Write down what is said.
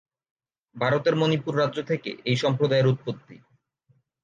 ভারতের মণিপুর রাজ্য থেকে এই সম্প্রদায়ের উৎপত্তি।